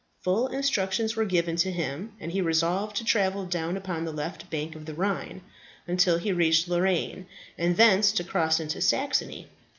Full instructions were given to him, and he resolved to travel down upon the left bank of the Rhine, until he reached Lorraine, and thence to cross into Saxony.